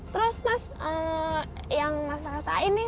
terus mas yang mas rasain nih